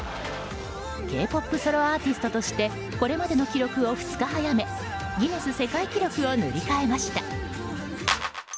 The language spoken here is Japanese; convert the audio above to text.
Ｋ‐ＰＯＰソロアーティストとしてこれまでの記録を２日早めギネス世界記録を塗り替えました。